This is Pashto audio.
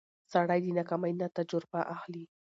سړی د ناکامۍ نه تجربه اخلي